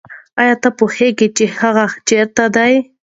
آیا ته پوهېږې چې هغه چېرته دی؟